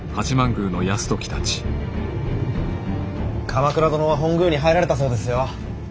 鎌倉殿は本宮に入られたそうですよ。